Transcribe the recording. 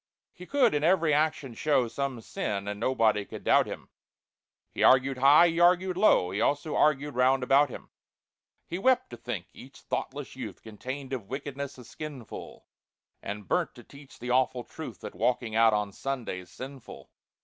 He could in every action show Some sin, and nobody could doubt him. He argued high, he argued low, He also argued round about him. He wept to think each thoughtless youth Contained of wickedness a skinful, And burnt to teach the awful truth, That walking out on Sunday's sinful.